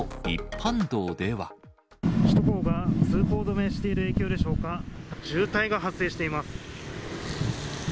首都高が通行止めしている影響でしょうか、渋滞が発生しています。